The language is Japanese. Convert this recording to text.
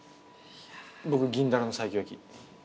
僕銀鱈の西京焼き。